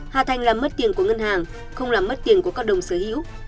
hà thành là mất tiền của ngân hàng không làm mất tiền của các đồng sở hữu